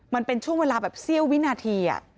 มันเป็นช่วงเวลาแบบเสี้ยววินาที